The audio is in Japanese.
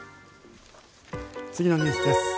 次のニュースです。